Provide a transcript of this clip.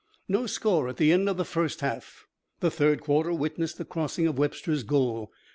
No score at the end of the first half. The third quarter witnessed the crossing of Webster's goal.